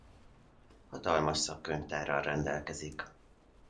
Hatalmas szakkönyvtárral rendelkezik.